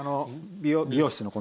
美容室の話。